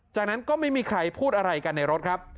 จากนั้นก็ไม่มีใครพูดอะไรกันในรถครับ